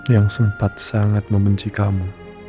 yang sempat sangat membenci kamu